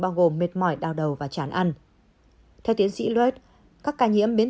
bao gồm mệt mỏi đau đầu và chán ăn theo tiến sĩ loed các ca nhiễm biến